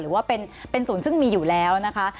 หรือว่าเป็นศูนย์ซึ่งมีอยู่แล้วนะคะ